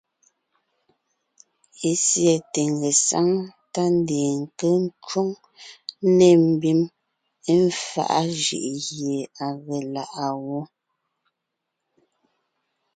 Ésiɛte ngesáŋ tá ndeen nke ńcwóŋ nê mbim éfaʼa jʉʼ gie à ge láʼa wó.